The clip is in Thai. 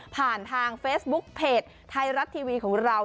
ผ่านทางเฟสบุ๊คเพจไทยรัดทีวีของเรา